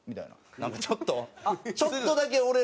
なんかちょっとちょっとだけ俺らを笑か